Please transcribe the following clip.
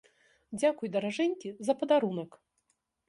Дзякуй, даражэнькі, за падарунак!